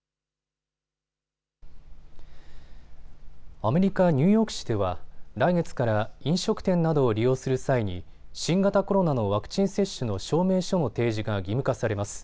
アメリカ・ニューヨーク市では来月から飲食店などを利用する際に新型コロナのワクチン接種の証明書の提示が義務化されます。